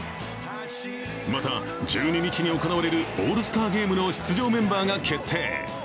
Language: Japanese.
また、１２日に行われるオールスターゲームの出場メンバーが決定。